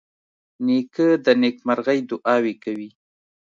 نیکه د نیکمرغۍ دعاوې کوي.